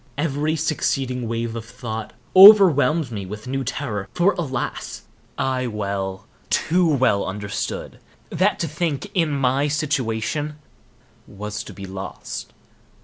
Every succeeding wave of thought overwhelmed me with new terror, for, alas! I well, too well understood that to think, in my situation, was to be lost.